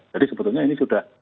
jadi sebetulnya ini sudah